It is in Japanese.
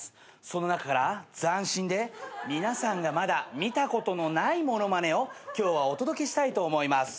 その中から斬新で皆さんがまだ見たことのないモノマネを今日はお届けしたいと思います。